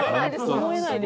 思えないです。